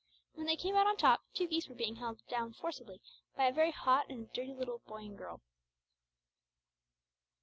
When they came out on top, two geese were being held down forcibly by a very hot and dirty little boy and girl.